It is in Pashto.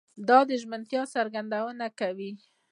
د ژمنتيا څرګندونه کوي؛